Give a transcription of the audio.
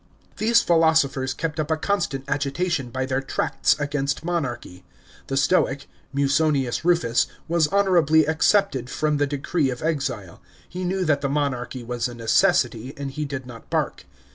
These philosophers kept up a constant agitation by their tracts against monarchy. The Stoic, Musonius Kufus, was honourably excepted from the decree of exile ; he knew that the monarchy was a necessity, and he did not bark.